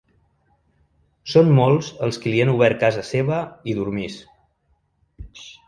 Són molts els qui li han obert casa seva hi dormís.